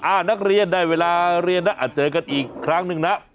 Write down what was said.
นักเรียนได้เวลาเรียนนะเจอกันอีกครั้งหนึ่งนะ